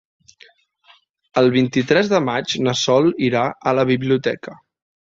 El vint-i-tres de maig na Sol irà a la biblioteca.